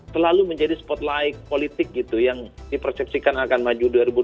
selalu menjadi spotlight politik gitu yang dipersepsikan akan maju dua ribu dua puluh